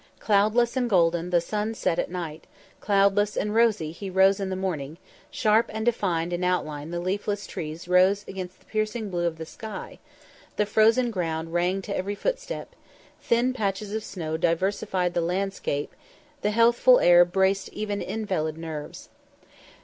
Cloudless and golden the sun set at night; cloudless and rosy he rose in the morning; sharp and defined in outline the leafless trees rose against the piercing blue of the sky; the frozen ground rang to every footstep; thin patches of snow diversified the landscape; and the healthful air braced even invalid nerves.